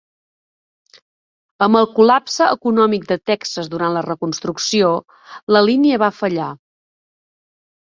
Amb el col·lapse econòmic de Texas durant la Reconstrucció, la línia va fallar.